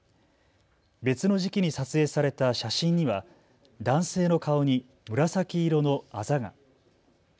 別の時期に撮影された写真には男性の顔に紫色のあざが。